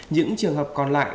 những trường hợp còn lại